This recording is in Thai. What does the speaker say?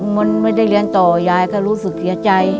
มันไม่ได้เรียนต่อยายก็รู้สึกเสียใจ